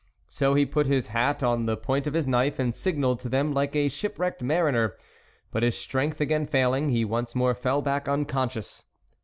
So he put his hat on the point of his knife and signalled to them like a shipwrecked mariner, but his strength again failing, he once more fell back unconscious.